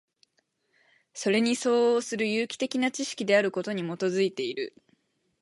それに相応する有機的な知識であることに基いている。